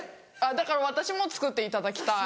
だから私も作っていただきたい。